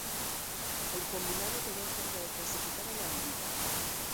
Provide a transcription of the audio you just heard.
El combinado quedó cerca de clasificar a la liguilla.